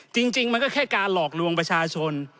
จริงมันก็แค่การหลอกลวงประชาชน